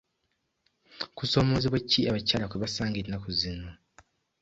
Kusoomozebwa ki abakyala kwe basanga ennaku zino?